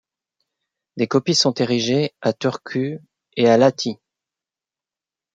Des copies sont érigées à Turku et à Lahti.